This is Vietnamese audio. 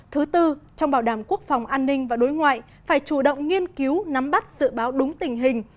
thứ tư trong bảo đảm quốc phòng an ninh và đối ngoại phải chủ động nghiên cứu nắm bắt dự báo đúng tình hình